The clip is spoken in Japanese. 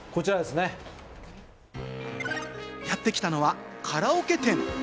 やってきたのはカラオケ店。